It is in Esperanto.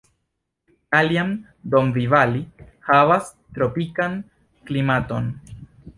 Kaljan-Dombivali havas tropikan klimaton.